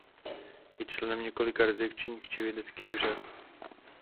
Je členem několika redakčních či vědeckých rad.